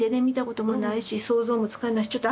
見たこともないし想像もつかないし。